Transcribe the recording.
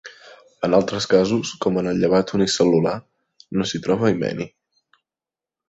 En altres casos, com en el llevat unicel·lular, no s'hi troba himeni.